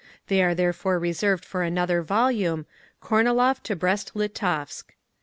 They are therefore reserved for another volume, "Kornilov to Brest Litovsk."